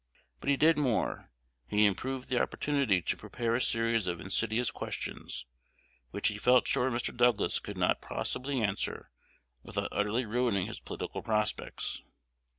But he did more: he improved the opportunity to prepare a series of insidious questions, which he felt sure Mr. Douglas could not possibly answer without utterly ruining his political prospects.